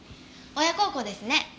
親孝行ですね。